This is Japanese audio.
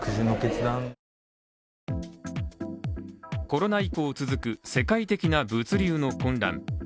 コロナ以降続く、世界的な物流の混乱。